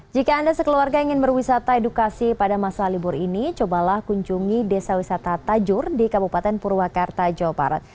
jika anda sekeluarga ingin berwisata edukasi pada masa libur ini cobalah kunjungi desa wisata tajur di kabupaten purwakarta jawa barat